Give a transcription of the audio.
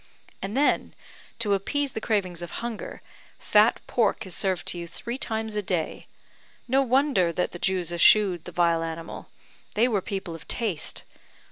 And then, to appease the cravings of hunger, fat pork is served to you three times a day. No wonder that the Jews eschewed the vile animal; they were people of taste.